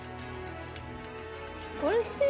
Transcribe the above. おいしい！